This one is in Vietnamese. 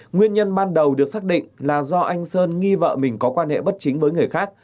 nguyên nhân ban đầu được xác định là do anh sơn nghi vợ mình có quan hệ bất chính với người khác